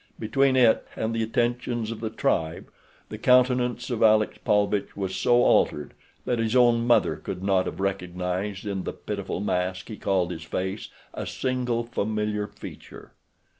Between it and the attentions of the tribe the countenance of Alexis Paulvitch was so altered that his own mother could not have recognized in the pitiful mask he called his face a single familiar feature.